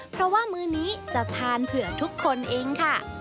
เพราะว่ามื้อนี้จะทานเผื่อทุกคนเองค่ะ